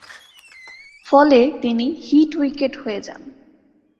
ফলে তিনি "hit wicket" হয়ে যান।